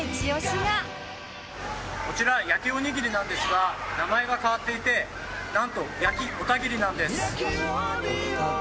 こちら焼きおにぎりなんですが名前が変わっていてなんと焼きオタギリなんです。